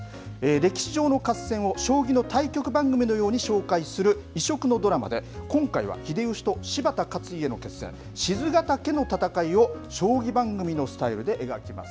歴史上の合戦を将棋の対局番組のように紹介する、異色のドラマで今回は秀吉と柴田勝家の決戦賤ヶ岳の戦いを将棋番組のスタイルで描きます。